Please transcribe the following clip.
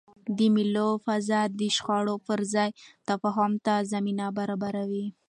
د مېلو فضا د شخړو پر ځای تفاهم ته زمینه برابروي.